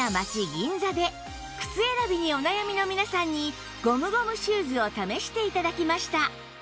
銀座で靴選びにお悩みの皆さんにゴムゴムシューズを試して頂きました